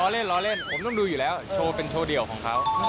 เล่นล้อเล่นผมต้องดูอยู่แล้วโชว์เป็นโชว์เดี่ยวของเขา